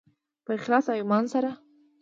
په اخلاص او ایمان سره.